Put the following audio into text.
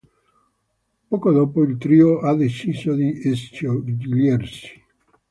Poco dopo, il trio ha deciso di sciogliersi.